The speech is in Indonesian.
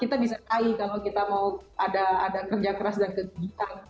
kita bisa kai kalau kita mau ada kerja keras dan kegiatan